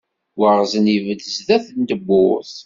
Waɣzen ibedd sdat n tewwurt.